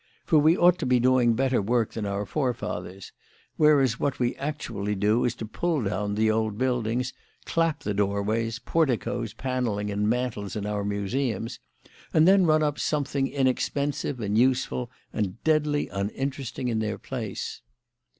For we ought to be doing better work than our forefathers; whereas what we actually do is to pull down the old buildings, clap the doorways, porticoes, panelling, and mantels in our museums, and then run up something inexpensive and useful and deadly uninteresting in their place."